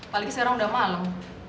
paling sekarang udah malem